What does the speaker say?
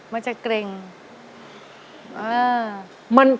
มันจะเกร็ง